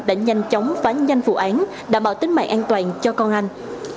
đã nhanh chóng phá nhanh vụ án đảm bảo tính mạng an toàn cho con anh